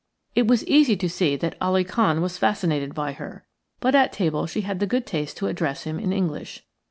It was easy to see that Ali Khan was fascinated by her; but at table she had the good taste to address him in English.